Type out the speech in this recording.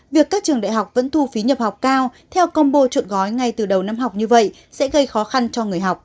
việc các trường đại học vẫn thu phí nhập học cao theo combo trộn gói ngay từ đầu năm học như vậy sẽ gây khó khăn cho người học